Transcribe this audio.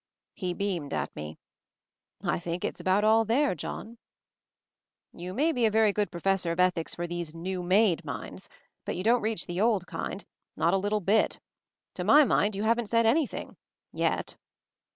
He beamed at me. "I think it's about all there, John." "You may be a very good Professor of Ethics for these new made minds, but you don't reach the old kind — not a little bit. To my mind you haven't said anything — yet."